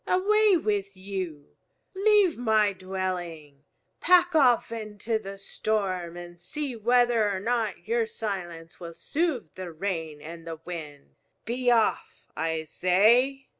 Away with you! Leave my dwelling! Pack off into the storm and see whether or not your silence will soothe the rain and the wind. Be off, I say!"